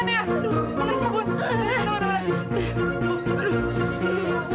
tidak tidak tidak